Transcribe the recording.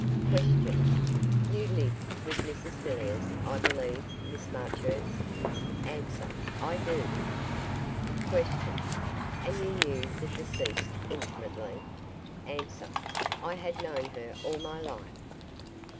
Q. You live with Mrs Villiers, I believe, Miss Marchurst? A. I do. Q. And you knew the deceased intimately? A. I had known her all my life.